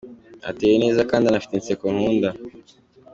Ateye neza kandi anafite inseko nkunda.